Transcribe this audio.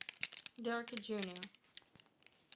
Durkee Jr.